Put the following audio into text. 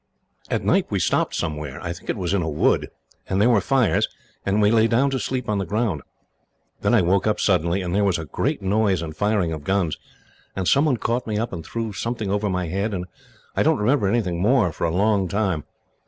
"At night we stopped somewhere. I think it was in a wood, and there were fires, and we lay down to sleep on the ground. Then I woke up suddenly, and there was a great noise and firing of guns, and someone caught me up and threw something over my head, and I don't remember anything more, for a long time.